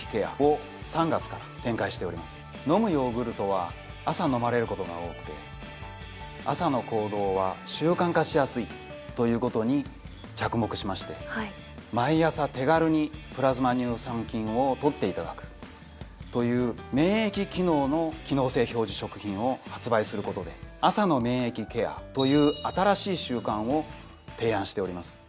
飲むヨーグルトは朝飲まれることが多くて朝の行動は習慣化しやすいということに着目しまして毎朝手軽に「プラズマ乳酸菌」を取っていただくという免疫機能の機能性表示食品を発売することで朝の免疫ケアという新しい習慣を提案しております。